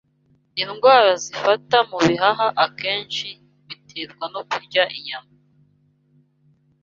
indwara zifata mu bihaha akenshi biterwa no kurya inyama.